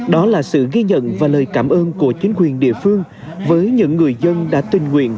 đó là sự ghi nhận và lời cảm ơn của chính quyền địa phương với những người dân đã tình nguyện